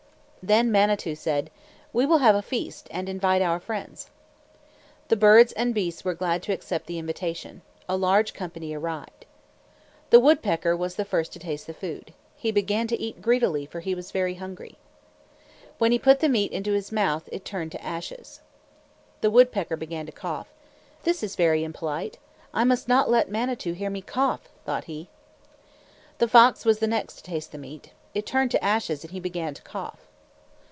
Then Manitou said, "We will have a feast and invite our friends." The birds and beasts were glad to accept the invitation. A large company arrived. The woodpecker was the first to taste the food. He began to eat greedily, for he was very hungry. When he put the meat into his mouth, it turned to ashes. The woodpecker began to cough. "This is very impolite; I must not let Manitou hear me cough," thought he. The fox was the next to taste the meat. It turned to ashes, and he began to cough.